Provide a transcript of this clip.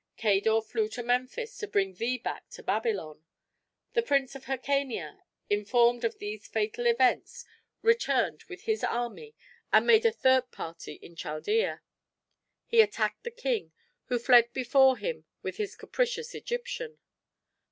Cador flew to Memphis to bring thee back to Babylon. The Prince of Hircania, informed of these fatal events, returned with his army and made a third party in Chaldea. He attacked the king, who fled before him with his capricious Egyptian.